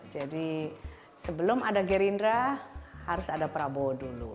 jadi sebelum ada gerindra harus ada prabowo dulu